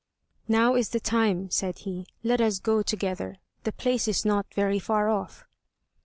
"Now is the time," said he, "let us go together, the place is not very far off."